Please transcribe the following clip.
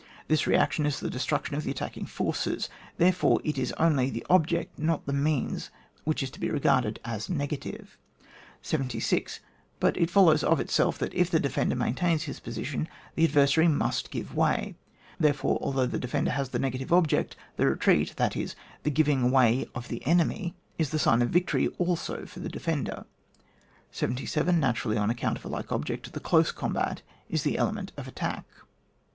This re action is the destruction of the attacking forces. Therefore, it is only the object, not the means, which is to be regarded as negative. 76. But as it follows of itself that if tlio defender maintains his position the adversary must give way, therefore, although the defender has the negative object, the retreat, that is, the giving way of the enemy, is the sign of victory also for the defender. 77. Naturally, on account of a like object, the close combat is the element of attack.